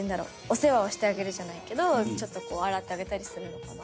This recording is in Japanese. お世話をしてあげるじゃないけどちょっと洗ってあげたりするのかなと。